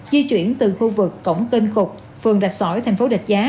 di chuyển từ khu vực cổng kênh cục phường rạch sỏi thành phố rạch giá